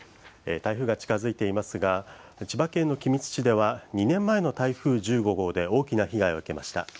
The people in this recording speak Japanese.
台風が近づいていますが、千葉県の君津市では２年前の台風１５号で大きな被害を受けました。